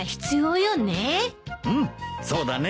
うんそうだね。